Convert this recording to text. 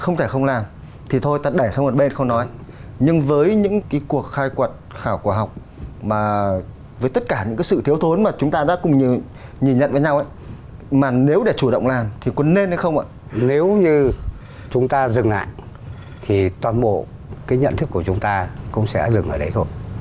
nếu như chúng ta dừng lại thì toàn bộ nhận thức của chúng ta cũng sẽ dừng ở đây thôi